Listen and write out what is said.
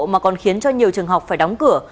mà còn khiến cho nhiều trường học phải đóng cửa